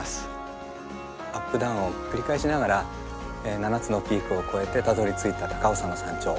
アップダウンを繰り返しながら７つのピークを越えてたどりついた高尾山の山頂。